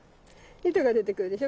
糸が出てくるでしょ